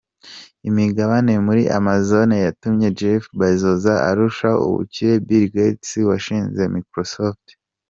Imigabane muri Amazon yatumye Jeff Bezos arusha ubukire Bill Gates washinze Microsoft.